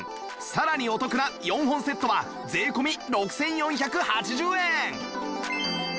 さらにお得な４本セットは税込６４８０円